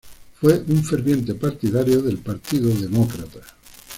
Fue un ferviente partidario del Partido Demócrata.